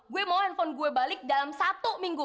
gue mau handphone gue balik dalam satu minggu